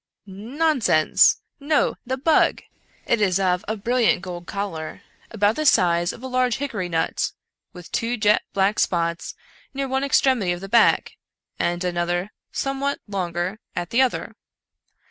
" Nonsense ! no !— the bug. It is of a brilliant gold color — about the size of a large hickory nut — with two jet black spots near one extremity of the back, and another, some what longer, at the other.